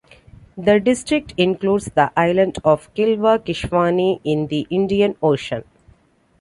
The district includes the island of Kilwa Kisiwani in the Indian Ocean.